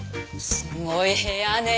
すごい部屋ね